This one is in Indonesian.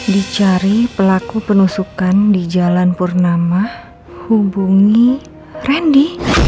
dicari pelaku penusukan di jalan purnama hubungi randy